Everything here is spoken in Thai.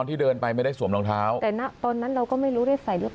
นี่ไฟมันต้องแรงขนาดไหน